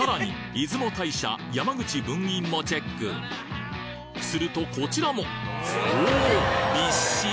出雲大社山口分院もチェックするとこちらもおお！